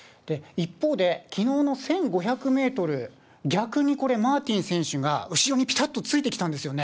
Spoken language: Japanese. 一方で、きのうの１５００メートル、逆にこれ、マーティン選手が後ろにぴたっとついてきたんですよね。